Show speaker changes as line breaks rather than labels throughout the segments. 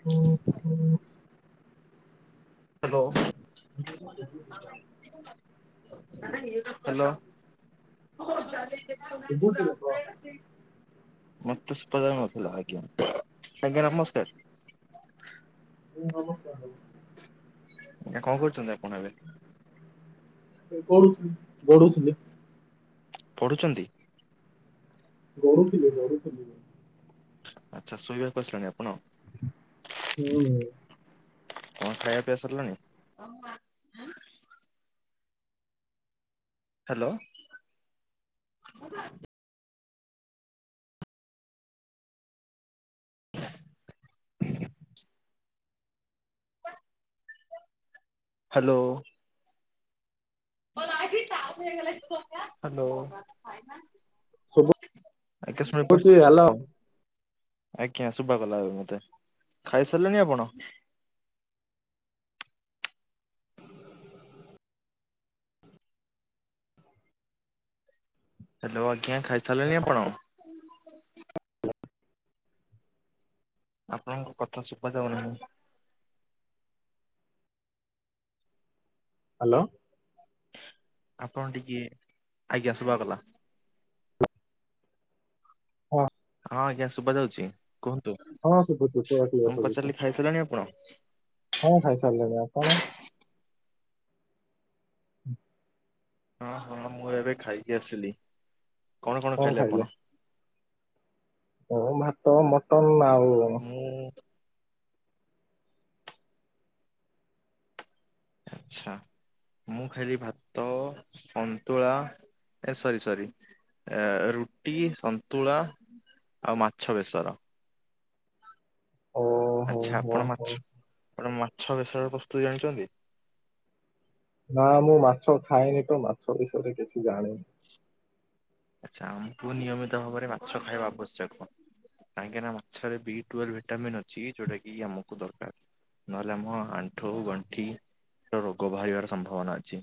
ହ ହୋ
ହ୍ୟାଲୋ।
ଶୁଭୁଚିରେ
ହ୍ୟାଲୋ। [unintelligible]
କହ
ମତେ ସୁଭା ଯାଉନଥିଲା ଆଜ୍ଞା ଆଜ୍ଞା ନମସ୍କାର।
ହୁଁ ନମସ୍କାର ଭାଇ।
ଆଜ୍ଞ କଣ କରୁଛନ୍ତି ଆପଣ ଏବେ?
ଗଡୁଥିଲି ଗଢୁଥିଲି।
ପଢୁଛନ୍ତି?
ଗଡୁ ଥିଲି ଗଡୁ ଥିଲି।
ଆଚ୍ଛା ଶୋଇବା ଆସିଲେଣି ଆ
ହୁଁ।
କଣ ଖାଇବା ପିଇବା ସରିଲାଣିି? ହ୍ୟାଲୋ। ହ୍ୟାଲୋ। ହ୍ୟାଲୋ। ଆଜ୍ଞା ଶୁଣିପାରୁ
ଉଛିି ହ୍ୟାଲୋ।
ଆଜ୍ଞା ଶୁଭା ଗଲା ଏବେ ମତେ ଖାଇ ସାରିଲେଣିି ଆପଣ? ହାଲୋ ଆଜ୍ଞା ଖାଇସାରିଲେ ଆପଣ? ଆପଣଙ୍କ କଥା ଶୁଭ ଯାଉନାହିଁ।
ହ୍ୟାଲୋ।
ଆପଣ ଟିକେ ଆଜ୍ଞା ଶୁଭା ଗଲା।
ହଁ।
ହଁ ଆଜ୍ଞା ଶୁଭ ଯାଉଛି। କୁହନ୍ତୁ
ହଁ ଶୁଖୁଛୁ ପବଛି ହଁ
ମୁଁ
ଖାଇ
ପଚାରିଲି ଖାଇସାରିଲେଣି ଆପଣ?
ସାରିଲେଣି। କଣ?
ହଁ ହଁ ମୁଁ ଏବେ ଖାଇକି ଆସିଲି କଣ କଣ ଖାଇଲେ ଆପଣ?
ହ ଭାତ ମଟନ ଆଉ
ମୁଁ ଆଛା ମୁଁ ଖାଇଲି ଭାତ ସନ୍ତୁଳା ଏ ସରି ସରି ରୁଟି ସନ୍ତୁଳା ଆଉ ମାଛ ବେସର।
ଓ ହୋ
ଆଛା
ହୋ
ଆପଣ
ହୋ।
ମାଛ ଆପଣ ମାଛ ବେସର ପ୍ରସ୍ତୁତି ଜାଣିଛନ୍ତି।
ନା ମୁଁ ମାଛ ଖାଇନି ତ ମାଛ ବିଷୟରେ କିଛି ଜାଣିନି।
ଚାମ୍ପୁ ନିୟମିତ ଭାବରେ ମାଛ ଖାଇବା ଆବଶ୍ୟକ। କାହିଁକିନା ମାଛରେ ବି ଟୁଏଲ୍ଲ ବ ଭିଟାମିନ୍ ଅଛି ଯୋଉଟା କି ଆମକୁ ଦରକାର। ନହେଲେ ଆମ ଆଣ୍ଠୁ ଗଣ୍ଠି ର ରୋଗ ବାହାରିବାର ସମ୍ଭାବନା ଅଛି।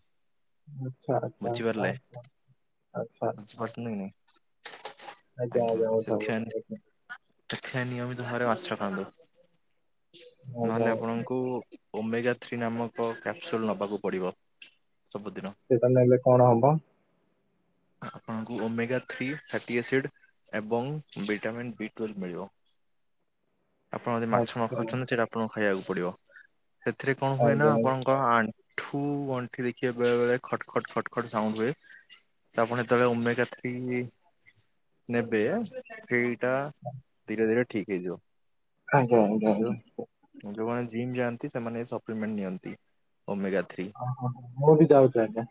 ଆଛା ଆଚ୍ଛା ଆଛା
ବୁଝିପାରିଲେ
ଆଛା ଆ୍ଛାଛା।
ବୁଝିପାରୁଛନ୍ତି କି ନାଇଁ
ଆଜ୍ଞା ଆଜ୍ଞା [unintelligible]
ଦେଖ ନିୟମିତ ଭାବରେ ମାଛ ଖାଆନ୍ତୁ।
ଆଜ୍ଞା
ନହେଲେ ଆପଣଙ୍କୁ ଓମେଗା ଥ୍ରୀ ନାମକ କ୍ୟାପସୁଲ୍ ନେବାକୁ ପଡ଼ିବ। ସବୁଦିନ
ସେଟା ନେଲେ କଣ ହବ?
ଆପଣଙ୍କୁ ଓମେଗା ଥ୍ରୀ ଫାଟିଆସିଡ୍ ଏବଂ ଭିଟାମିନ୍ ବି ଟୁଏଲ୍ଭ୍ ମିଳିବ।
[inaudible]
ଆପଣ ଯଦି ମାଛ
ଆଚ୍ଛା
ନଖାଉଛନ୍ତି ସେଇଟା ଆପଣଙ୍କୁ ଖାଇବାକୁ ପଡିବ। ସେଥିରେ କଣ ହୁଏ ନା
ଆଜ୍ଞା
ଆପଣଙ୍କ ଆଣ୍ଠୁ ଠୁ ଗଣ୍ଠି ଦେଖିବେ ବେଳେ ବେଳେ ଖଟ ଖଟ ଖଟ ଖଟ ସାଉଣ୍ଡ ହୁଏ। ତ ଆପଣ ଯେତେବେଳେ ଓମେଗା ଥ୍ରୀ ନେବେ ସେଇ ସେଟା ଧୀରେ ଧୀରେ ଠିକ ହେଇଯିବ
ଆଜ୍ଞା ଆଜ୍ଞା ଆଜ୍ଞା
ଯୋଉ ଯୋଉମାନେ ଜିମ୍ ଯାଆନ୍ତି ସେମାନେ ସପ୍ଲିମେଣ୍ଟ ନିଅନ୍ତି। ଓମେଗା ଥ୍ରୀ
ଓ ହ ହ ମୁଁ ବି ଯାଉଛ ଆଜ୍ଞା।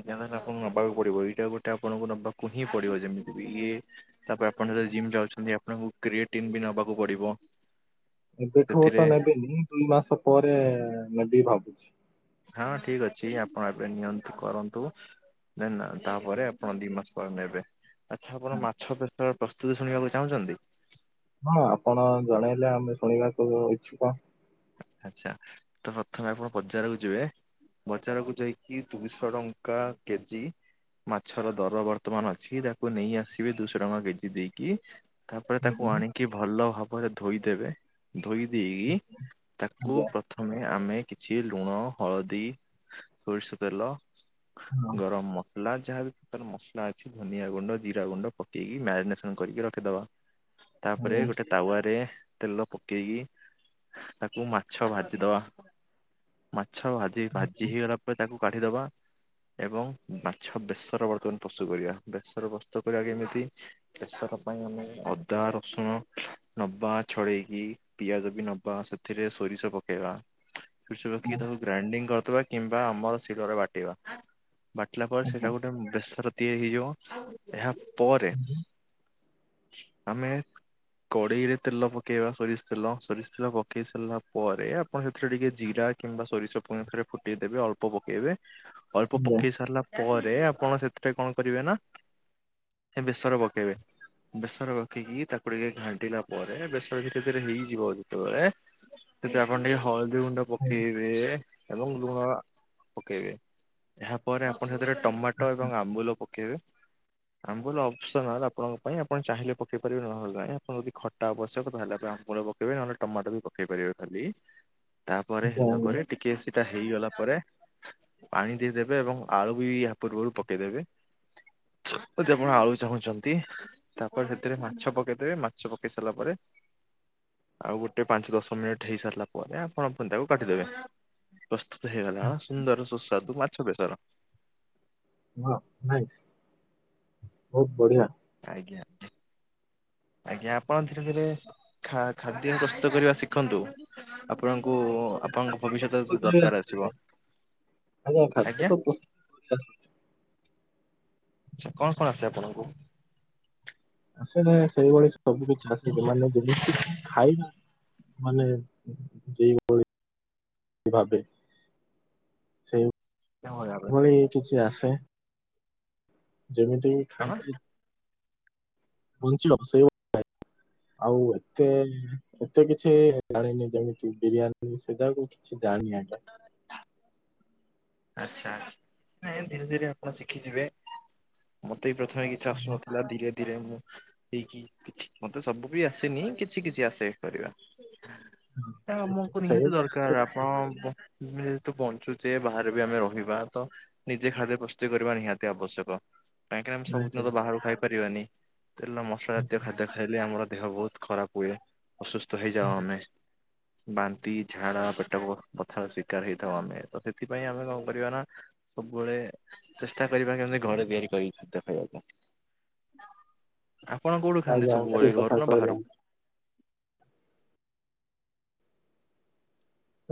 ଏଇଲେ ଆପଣ ନବାକୁ ପଡ଼ିବ ଏଇଟା ଗୋଟେ ଆପଣଙ୍କୁ ନବାକୁ ହିଁ ପଡିବ ଯେମିତି ଇଏ ତାପରେ ଆପଣ ଯଦି ଜିମ୍ ଯାଉଛନ୍ତି ଆପଣଙ୍କୁ କ୍ରିଏଟିନ ବି ନବାକୁ ପଡିବ।
ଏବେଠୁ
ସେଥିରେ
ତ ନେବେନି ଦୁଇ ମାସ ପରେ ନେବି ଭାବୁଛି।
ହଁ ଠିକ ଅଛି ଆପଣ ଏବେ ନିଅନ୍ତୁ କରନ୍ତୁ। ଦେନ୍ ତାପରେ ଆପଣ ଦି ମାସ ପରେ ନେବେ। ଆଚ୍ଛା ଆପଣ
ଆଜ୍ଞା
ମାଛ ବେସର ପ୍ରସ୍ତୁତି ଶୁଣିବାକୁ ଚାହୁଁଛନ୍ତି?
ହଁ ଆପଣ ଜଣେଇଲେ ଆମେ ଶୁଣିବାକୁ ଇଛୁକ।
ଆଚ୍ଛା ତ ପ୍ରଥମେ ଆପଣ ବଜାରକୁ ଯିବେ ବଜାରକୁୁ ଯାଇକି ଦୁଇଶହ ଟଙ୍କା କେଜି ମାଛର ଦର ବର୍ତ୍ତମାନ ଅଛି ତାକୁ ନେଇ ଆସିବେ ଦୁଇଶହ ଟଙ୍କା କେଜି ଦେଇକି। ତାପରେ ତାକୁ
ଆଜ୍ଞା
ଆଣିକି ଭଲ ଭାବରେ ଧୋଇଦେବେ ଧୋଇ ଦେଇ ତାକୁ
ଆଜ୍ଞା
ପ୍ରଥମେ ଆମେ କିଛି ଲୁଣ ହଳଦୀ ସୋରିଷ ତେଲ
ହଁ
ଗରମ ମ ମସଲା ଯାହାବି ପ୍ରକାର ମସଲା ଅଛି ଧନିଆ ଗୁଣ୍ଡ ଜିରା ଗୁଣ୍ଡ ପକେଇକି ମ୍ୟାରିନେସନ କରିକି ରଖିଦବା।
ଆଜ୍ଞା ଆଜ୍ଞା
ତାପରେ ଗୋଟେ ତାୱାରେରେ ତେଲ ପକେଇକି ତାକୁ ତାକୁ ମାଛ ଭାଜିଦବା ମାଛ ଭାଜି ଭାଜି ହେଇଗଲା ପରେ ତାକୁ କାଢିଦବା। ଏବଂ ମାଛ ବେସର ବର୍ତ୍ତମାନ ପ୍ରସ୍ତୁତ କରିବା ବେସର ପ୍ରସ୍ତୁତ କରିବା କେମିତି ବ ତା ପାଇଁ ଆମେ ଅଦା ରସୁଣ ନବା ଛଡେଇକି ପିଆଜ ବି ନବା ଏଥିରେ ସୋରିଷ ପକେଇବା ସୋରିଷ
ଆଜ୍ଞା
ପକେଇକି ତାକୁ ଗ୍ରାଇଣ୍ଡିଙ୍ଗ କରିଦବା। କିମ୍ବା ଆମର ଶିଳରେ ବାଟିବା ବାଟିଲା
ଆଜ୍ଞା
ପରେ
ଆଜ୍ଞା।
ସେଇଟା ଗୋଟେ ବେସର ତିଆରି ହେଇଯିବ ଏହା ପରେ ଆମେ କଡେଇରେ ତେଲ ପକେଇବା ସୋରିଷ ତେଲ ସୋରିଷ ତେଲ ପକେଇ ସାରିଲା ପରେ ଆପଣ ସେଥିରେ ଟିକେ ଜିରା କିମ୍ବା ସୋରିଷ ପୁଣିଥରେ ଫୁଟେଇଦେବେ ଅଳ୍ପ ପକେଇବେ ଅଳ୍ପ ପକେଇ ସାରିଲା ପରେ ଆପଣ ସେଥିରେ କଣ କରିବେ ନା ସେ ବେସର ପକେଇବେ ବେସର ରଖିକି ତାକୁ ଟିକେ ଘାଣ୍ଟିଲା ପରେ ବେସର ଧୀରେ ଧୀରେ ହେଇଯିବ ଯେତେବେଳେ ସେଥି ଆପଣ ଟିକେ ହଳଦୀ ଗୁଣ୍ଡ ପକେଇବେ ଏବଂ ଲୁଣ ପକେଇବେ ଏହା ପରେ ଆପଣ ସେଥିରେ ଟମାଟୋ ଏବଂ
ଆଚ୍ଛା
ଆମ୍ବୁଲ ପକେଇବେ ଆମ୍ବୁଲ ଅପସନାଲ ଆପଣଙ୍କ ପାଇଁ ଆପଣ ଚାହିଁଲେ ପକେଇ ପାରିବେ ନହେଲେ ଯାଇଁ ଆପଣ ଯଦି ଖଟା ଆବଶ୍ୟକ ତାହେଲେ ଆମ୍ବୁ ଲ ପକେଇବେ ନହେଲେ ଟମାଟ ବି ପକେଇ ପାରିବେ ଖାଲି
ଆଜ୍ଞା
ତାପରେ
ଆଜ୍ଞା
ହେଲା ପରେ ଟିକେ ସେଟା ହେଇଗଲା ପରେ ତା ପରେ ପାଣି ଦେଇଦେବେ ଏବଂ ଆଳୁ ବି ଏହା ପୂର୍ବରୁ ପକେଇଦେବେ ଯଦି ଆପଣ ଆଳୁ ଚାହୁଁଛନ୍ତି ତାପରେ ସେଥିରେ ମାଛ ପକେଇଦେବେ ମାଛ ପକେଇ ସାରିଲା ପରେ ଆଉ ଗୋଟେ ପାଞ୍ଚ ଦଶ ମିନିଟ ହେଇ ସାରିଲା ପରେ ଆପଣପଣ ତାକୁ କାଡିଦେବେ ପ୍ରସ୍ତୁତ ହେଇଗଲା ସୁନ୍ଦର ସୁସ୍ୱାଦୁ ମାଛ ବେସର
ହଁ ନାଇ ବହୁତ ବଢିଆ
[unintelligible] କାଇ କ ଆଜ୍ଞା ଆପଣ ଧୀରେ ଧୀରେ ଖ ଖାଦ୍ୟ ପ୍ରସ୍ତୁତ କରିବା ଶିଖନ୍ତୁ ଆପଣ ଆପଣଙ୍କ ଭବିଷ୍ୟତ ଯେ ଦରକାର ଆସିବ
ଆଞା ଖାଦ୍ୟ
ଆଜ୍ଞା
ତ ପ୍ରସ୍ତୁତ
ଆଛା କଣ କଣ ଆସେ ଆପଣଙ୍କୁ?
ଆସ ନା ସେଇଭଳି ସବୁ କିଛି ଆସେ ସେମାନେ ଯେମିତି କି ଖାଇବା ମାନେ ଯେ ଭଳି ଭାଵେ ସେଇ
କେଉଁଭଳି ଭାବେ
ଭଳି କିଛି ଆସେ ଯେମିତି
କଣ
ଖାଇନ୍ତି ବଞ୍ଚି ଅବଶ୍ୟ ଆଉ ଏତେ ଏତେ କିଛି ଜାଣିନି ଯେମିତି ବିରିୟାନୀ ସେ ଯାକୁ ଜାଣିନି ଆଜ୍ଞା
ଆଚ୍ଛା ନା ଧୀରେ ଧୀରେ ଆପଣ ଶିଖିଯିବେ ପ୍ରଥମେ କିଛି ଆଷୁ ନଥିଲା ଧୀରେ ଧୀରେ ମୁଁ ହେଇକି ମତେ ସବୁ ବି ଆସେନି କିଛି କିଛି ଆସେ
ହଁ
କରିବା
ଠିକ ଠିକ
ଆମକୁ ନିହାତି
ସେଇଭଳି
ଦରକାର
ଆସିଲେ ଭଲ।
ଆପଣ ଯେହତୁ ବଞ୍ଚୁଛେ ବାହାରେ ବି ଆମେ ରହିବା ତ ନିଜେ ଖାଦ୍ୟ ପ୍ରସ୍ତୁତି କରିବା ନିହାତି ଆବଶ୍ୟକ କାହିଁକି ଆମେ
ଆଜ୍ଞା
ସବୁଦିନ ତ ବାହାରକୁ ଖାଇପାରିବାନି ତେଲ ମସଲା ଜାତୀୟ
ଆଜ୍ଞା
ଖାଦ୍ୟ ଖାଇଲେ ଆମର ଦେହ ବହୁତ ଖରାପ ହୁଏ ଅସୁସ୍ଥ ହେଇଯାାଉ
ଆଜ୍ଞା
ଆମେ ବାନ୍ତି ଝାଡା ପେଟ ପ କଥ ଶିକାର ହେଇଥାଉ ଆମେ ତ ସେଥିପାଇଁ ଆମେ କଣ କରିବା ନା ସବୁବେଳେ ଚେଷ୍ଟା କରିବା କେ କି ଘରେ ତିଆରି କରି ଖାଦ୍ୟ ଖାଇବାକୁ ଆପଣ କୋଉଠୁ ଖାଆନ୍ତି
ଆଜ୍ଞା ଆଜ୍ଞା
ସବୁବେଳେ
ଠିକ
ଘରୁ
କଥା
ନା ବାହାରୁ?
କହିଲେ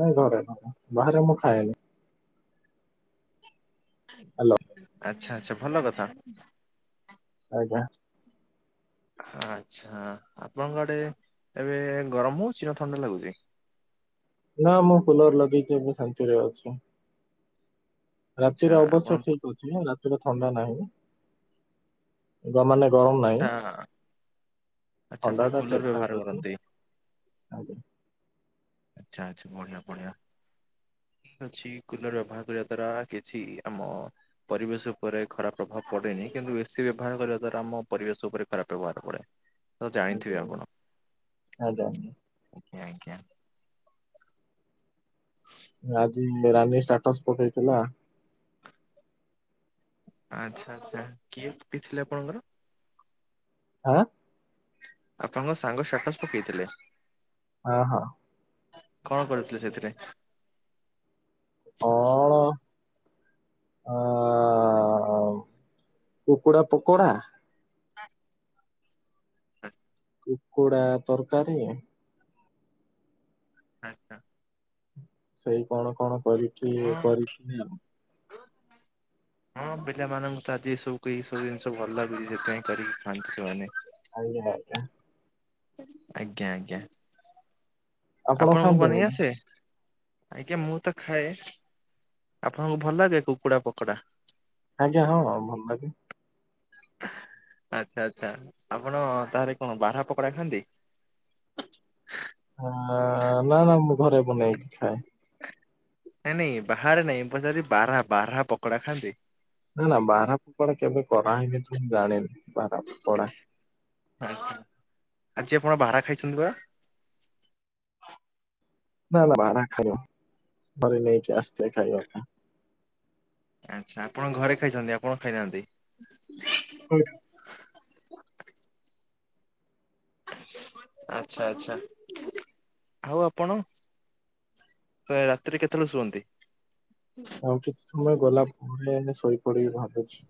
ନାଇଁ ଘରେ ବାହାରେ ମୁଁ ଖାଏନି ହାଲୋ
ଆଛା ଆଚ୍ଛା ଭଲ କଥା
ଆଜ୍ଞା।
ଆଚ୍ଛା ଆପଣଙ୍କ ଆଡ଼େ ଏବେ ଗରମ ହଉଚି ନା ଥଣ୍ଡା ଲାଗୁଛି?
ନା ମୁଁ କୁଲର ଲଗେଇଛି ମୁଁ ଶାନ୍ତିରେ ଅଛି।
ଆଚ୍ଛା
ରାତିରେ
ଆପଣ
ଅବଶ୍ୟ ଠିକ ଅଛି ରାତିରେ ଥଣ୍ଡା ନାହିଁ ଗ ମାନେ ଗରମ
ଆଚ୍ଛା
ନାହିଁ
ଆଚ୍ଛା ଆପଣ
ଥଣ୍ଡା ଟା
କୁଲର
ଠିକ
ବ୍ୟବହାର
ଠାକ୍ ଅଛି।
କରନ୍ତି।
ଆଜ୍ଞା।
ଆଚ୍ଛା ଆଚ୍ଛା ବଢିଆ ବଢିଆ।
[inaudible]
ଠିକ ଅଛି କୁଲର ବ୍ୟବହାର କରିବା ଦ୍ଵାରା କିଛି ଆମ ପରିବେଶ ଉପରେ ଖରାପ ପ୍ରଭାବ ପଡେନି। କିନ୍ତୁ ଏସିି ବ୍ୟବହାର କରିବା ଦ୍ଵାରା ଆମ ପରିବେଶ ଉପରେ ଖରାପ ବ୍ୟବହାର ପଡେ। ତ ଜାଣିଥିବେ
ଆଜ୍ଞା
ଆପଣ
ଆଜ୍ଞା ଆଜ୍ଞା ଆଜ୍ଞା।
ଆଜ୍ଞା ଆଜ୍ଞା।
ଆଜି ରାନୀ ଷ୍ଟାଟସ ପକେଇଥିଲା।
ଆଚ୍ଛା ଆଚ୍ଛା କିଏ ପି ଥିଲେ ଆପଣଙ୍କର।
ଆଁ।
ଆପଣଙ୍କ ସାଙ୍ଗ ଷ୍ଟାଟସ ପକେଇଥିଲେ।
ହଁ ହଁ।
କଣ କରୁଥିଲେ ସେଥିରେ।
ହଁ। ଆ କୁକୁଡା ପୁକରା।
ହସ୍। ହ।
କୁକୁଡା ତରକାରୀ।
ଆଚ୍ଛା।
ସେଇ କଣ କଣ କରିକି
ହଁ
କରିଥି।
ହଁ ପିଲାମାନଙ୍କୁ ତ ଆଜିି ସବୁ ଏ ସବୁ ଜିନିଷ ଭଲ ଲାଗୁଛି। ସେଥିପାଇଁ କରିକି ଖାଆନ୍ତି ସେମାନେ।
ଆଜ୍ଞ ଆଜ୍ଞା।
ଆଜ୍ଞା ଆଜ୍ଞା
ଆପଣ
ଆପଣଙ୍କୁ
ଖାଆନ୍ତିନି
ବନେଇ
କି?
ଆସେ। ଆଜ୍ଞା ମୁଁ ତ ଖାଏ। ଆପଣଙ୍କୁ ଭଲ ଲାଗେ କୁକୁଡା ପକୋଡା।
ଆଜ୍ଞା ହଁ ଭଲ ଲାଗେ।
ଆଚ୍ଛା ଆଚ୍ଛା ଆପଣ ତାହରେ କଣ ବାର୍ହା ପକୋଡା ଖାଆନ୍ତି।
[inaudible] ଆ, ନା ନା ମୁଁ ଘରେ ବନେଇକି ଖାଏ।
ନାଇଁ ନାଇଁ ବାହାରେ ନାଇଁ ପଚାରି ବାର୍ହା ବାର୍ହା ପକୋଡା ଖାଆନ୍ତି।
ନା ବାର୍ହା ପକଡା କେବେ କରାହେଇନି ତ ମୁଁ ଜାଣିନି। ବାର୍ହା ପକଡା।
ଆଜି ଆପଣ ବାର୍ହା ଖାଇଛନ୍ତି ବା।
ନା ନା ବାର୍ହା ଖାଇ ମରି ନାଇଁ କେ ଆସ୍ତି ଖାଇବା ପାଇଁ।
ଆଚ୍ଛା ଆପଣ ଘରେ ଖାଇଛନ୍ତି ଆଉ କଣ ଖାଇନାହାନ୍ତି।
ପାଇଁ
ଆଚ୍ଛା ଆଚ୍ଛା ଆଉ ଆପଣ। ସେ ରାତିରେ କେତେବେଳେ ଶୁଅନ୍ତି?
ଆଉ କିଛି ସମୟ ଗଲା ଭରେ ଏମ ସୋଇ ପଡିବି ଭାବୁଛି।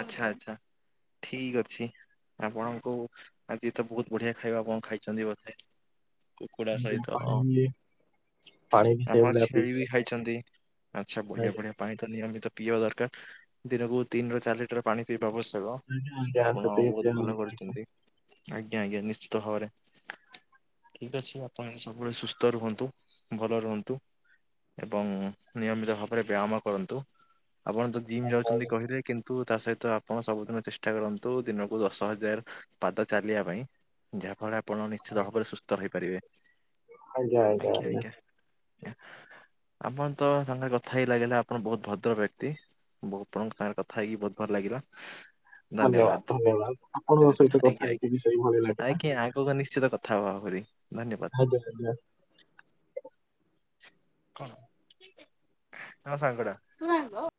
ଆଛା ଆଚ୍ଛା ଠିକ୍ ଅଛି। ଆପଣଙ୍କୁ ଆଜି ତ ବହୁତ ବଢିଆ ଖାଇବା ଆପଣ ଖାଇଛନ୍ତି ବଧେ। କୁକୁଡା
ଆଜ୍ଞା
ସହିତ।
ପାଣି ବି ପାଣି ବି
ଆପଣ
ସେଇଭଳିଆ
ଛେଳି ବି
ପିଇଯାଏ
ଖାଇଛନ୍ତି। ଆଚ୍ଛା ବଢିଆ
ଆଜ୍ଞା
ବଢିଆ ପାଣି ତ ନିୟମିତ ପିଇବା ଦରକାର। ଦିନକୁ ତିନ୍ ରୁ ଚାରି ଲିଟର ପାଣି ପିଇବା ଅବସ୍
ଆଜ୍ଞା ଆଜ୍ଞା
ଆପଣ
ସେତିକି ପିଆ
ବହୁତ ଭଲ
ହଉଛି ଆଜ୍ଞା
କରିଛନ୍ତି। ଆଜ୍ଞା ଆଜ୍ଞା ନିଶ୍ଚିତ ଭାବରେ। ଠିକ୍ ଅଛି ଆପଣ ସବୁବେଳେ ସୁସ୍ଥ ରୁହନ୍ତୁ ଭଲ ରୁହନ୍ତୁ। ଏବଂ ନିୟମିତ ଭାବରେ ବ୍ୟାୟାମ କରନ୍ତୁ। ଆପଣ ତ ଜିମ୍
ଆଜ୍ଞା।
ଯାଉଛନ୍ତି କହିଲେ କିନ୍ତୁ ତା ସହିତ ଆପଣ ସବୁଦିନ ଚେଷ୍ଟା କରନ୍ତୁ ଦିନକୁ ଦଶ ହଜାର ପାଦ ଚାଲିବା ପାଇଁ। ଯାହାଫଳ ଆପଣ ନିଶ୍ଚିତ ଭାବରେ ସୁସ୍ଥ ରହିପାରିବେ।
ଆଜ୍ଞା ଆଜ୍ଞା ଆଜ୍ଞା।
[inaudible] ଆପଣ ତ ସାଙ୍ଗରେ କଥା ହିଁ ଲାଗିଲା ଆପଣ ବହୁତ ଭଦ୍ର ବ୍ୟକ୍ତି। ଆପଣଙ୍କ ସାଙ୍ଗରେ କ ଥାଇକି ବହୁତ ଭଲ ଲାଗିଲ। ଧନ୍ୟବାଦ,
ଆପଣଙ୍କ ସହିତ କଥା
ଆଜ୍ଞା
ହେଇକି
ଆଜ୍ଞ
ବି ସେଇ ଭଳି ଲାଗିଲା
ଆଜ୍ଞା ଆଗକୁ ନିଶ୍ଚିତ କଥା। କଥା ଆହୁରି ଧନ୍ୟବାଦ।
ଆଜ୍ଞା ଆଜ୍ଞା।
ମୋ ସାଙ୍ଗଟା।